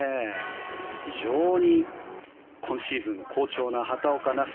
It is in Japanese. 非常に今シーズン好調な畑岡奈紗。